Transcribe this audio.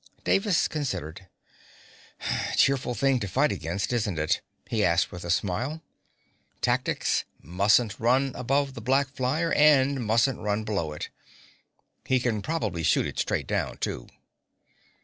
Davis considered: "Cheerful thing to fight against, isn't it?" he asked, with a smile. "Tactics, mustn't run above the black flyer and mustn't run below it. He can probably shoot it straight down, too."